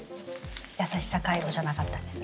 優しさカイロじゃなかったんですね。